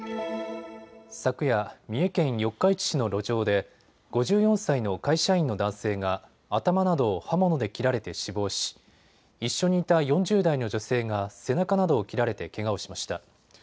昨夜、三重県四日市市の路上で５４歳の会社員の男性が頭などを刃物で切られて死亡し、一緒にいた４０代の女性が背中などを切られてけがをしました。